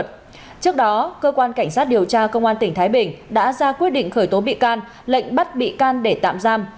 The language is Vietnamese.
trước đó cơ quan cảnh sát điều tra công an tỉnh thái bình đã ra quyết định khởi tố bị can lệnh bắt bị can để tạm giam